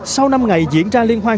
sau năm ngày diễn ra liên hoan